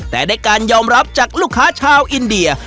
แต่ได้การยอมรับจากลูกค้าชาวอินเดีย